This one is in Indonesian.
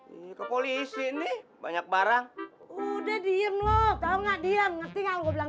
lo ya ke polisi nih banyak barang udah diam loh tau nggak diam ngerti nggak lo bilang